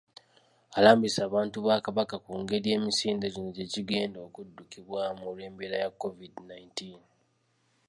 Alambise abantu ba Kabaka ku ngeri emisinde gino gye gigenda okuddukibwamu olw'embeera ya COVID nineteen